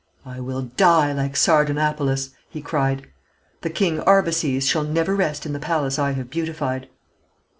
"I will die like Sardanapalus!" he cried; "the King Arbaces shall never rest in the palace I have beautified.